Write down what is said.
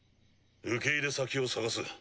受け入れ先を探す。